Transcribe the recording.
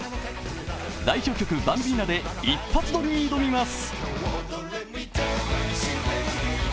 代表曲「バンビーナ」で一発撮りに挑みます。